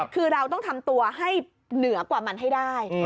คือเราต้องทำตัวให้เหนือกว่ามันให้ได้